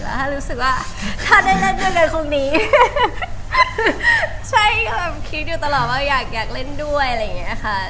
แล้วถ้ารู้สึกว่าถ้าได้เล่นด้วยกันคงดีใช่ค่ะคิดอยู่ตลอดว่าอยากเล่นด้วยอะไรอย่างนี้ค่ะ